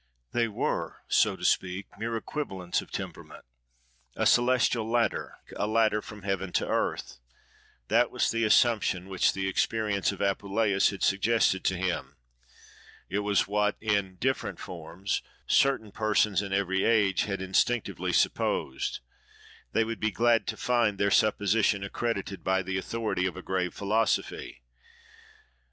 They were, so to speak, mere equivalents of temperament. A celestial ladder, a ladder from heaven to earth: that was the assumption which the experience of Apuleius had suggested to him: it was what, in different forms, certain persons in every age had instinctively supposed: they would be glad to find their supposition accredited by the authority of a grave philosophy.